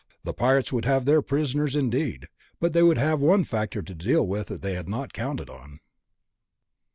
The pirates would have their prisoners, indeed ... but they would have one factor to deal with that they had not counted on.